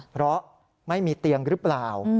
เพราะไม่มีเตียงหรือเปล่า